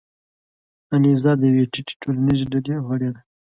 الیزا د یوې ټیټې ټولنیزې ډلې غړې ده.